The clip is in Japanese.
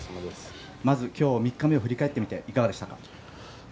まず今日３日目を振り返ってみていかがでしたか？